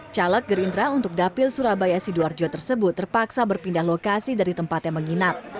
caleg gerindra untuk dapil surabaya sidoarjo tersebut terpaksa berpindah lokasi dari tempatnya menginap